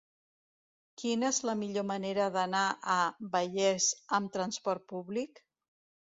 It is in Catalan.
Quina és la millor manera d'anar a Vallés amb transport públic?